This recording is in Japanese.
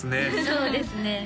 そうですね